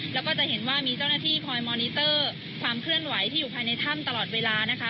แล้วก็จะเห็นว่ามีเจ้าหน้าที่คอยมอนิเตอร์ความเคลื่อนไหวที่อยู่ภายในถ้ำตลอดเวลานะคะ